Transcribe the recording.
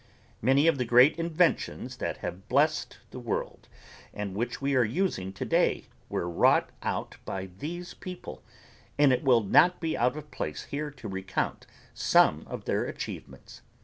Many of the great inventions that have blessed the world and which we are using today were wrought out by these people and it will not be out of place here to recount some of their achievements.